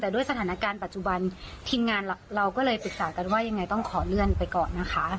แต่ด้วยสถานการณ์ปัจจุบันทีมงานเราก็เลยปรึกษากันว่ายังไงต้องขอเลื่อนไปก่อนนะคะ